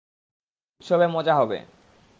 উৎসবে মজা হবে।